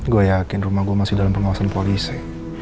gue yakin rumah gue masih dalam pengawasan polisi